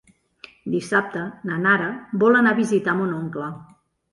Dissabte na Nara vol anar a visitar mon oncle.